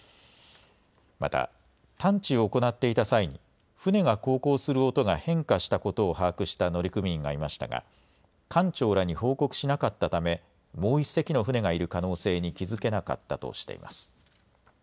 また探知を行っていた際に船が航行する音が変化したことを把握した乗組員がいましたが艦長らに報告しなかったためもう１隻の船がいる可能性に気付けなかったとしています。